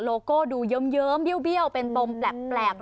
โก้ดูเยิ้มเบี้ยวเป็นปมแปลก